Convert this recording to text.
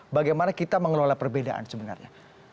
bagaimana kita mengelola perbedaan sebenarnya